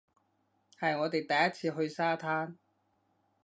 係我哋第一次去沙灘